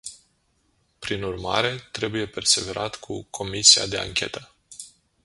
Prin urmare, trebuie perseverat cu comisia de anchetă.